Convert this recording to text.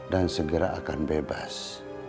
dan segera akan bebas